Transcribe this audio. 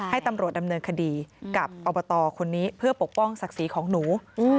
ให้ตำรวจดำเนินคดีกับอบตคนนี้เพื่อปกป้องศักดิ์ศรีของหนู